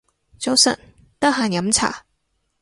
早晨，得閒飲茶